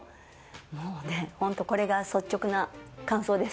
もうね本当これが率直な感想です。